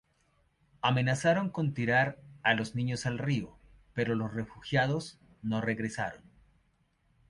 Amenazaron con tirar a los niños al río, pero los refugiados no regresaron.